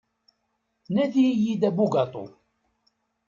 Nadi-iyi-d abugaṭu.